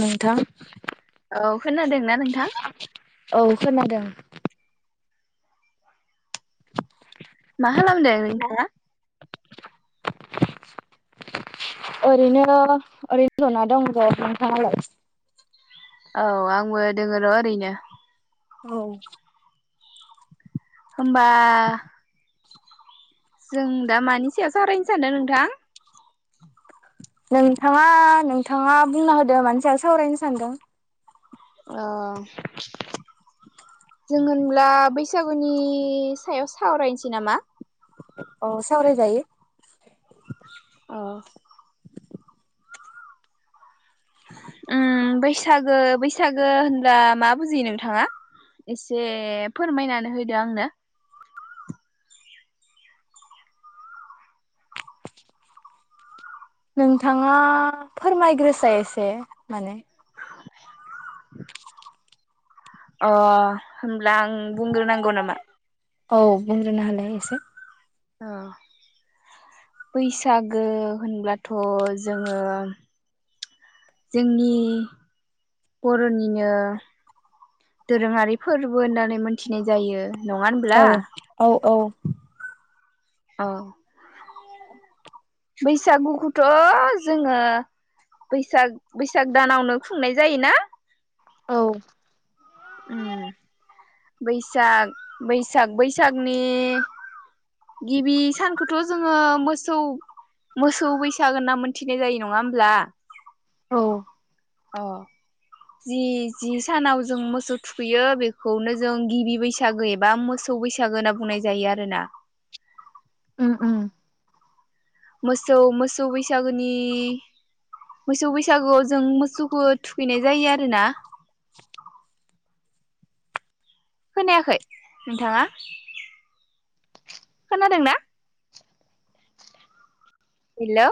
नोंथां औ खोनादोंना नोंथां? औ खोनादों। मा खालामदों नोंथाङा? ओरैनो ओरैनो जना दं र' नोंथांङालाय? औ आंबो दोङ र' ओरैनो औ होमबा जों दा मानि सायाव सोावरायनो सानदों नोंथां? नोंथाङा नोंथाङा बुंना होदो मानसियाव सावरायनो सानदों। अ जों होनब्ला बैसागुनि सायाव सावरायनोसै नामा? अ सावराय जायो । अ उम बैसागो बैसागो होनब्ला मा बुजियो नोंथाङा एसे फोरमायनानै होदो आंनो । नोंथाङा फोरमायग्रोसाय एसे माने [inaudible] अ होमब्ला आं बुंग्रोनांगौ नामा? औ बुंग्रोनो होलाय एसे अ बैसागो होनब्लाथ' जोङो जोंनि बर'निनो दोरोङारि फोरबो होननानै मोनथिनाय जायो । औ औ औ औ बैसागुखौथ' जोङो बैसाग बैसाग दानावनो खुंनाय जायोना औ उम बैसाग बैसाग बैसागनि गिबि सानखौथ जोङो मोसौ मोसौ बैसागो होनना मोनथिनाय जायो नङा होमब्ला औ अ जि जि सानाव जों मोसौ थुखैयो बेखौनो जों गिबि बैसागो एबा मोसौ बैसागो होनना बुंनाय जायो आरोना उम उम मोसौ मोसौ बैसागोनि मोसौ बैसागोआव जों मोसौखौ थुखैनाय जायो आरोना खोनायाखै नोंथाङा खोनादोंना हेल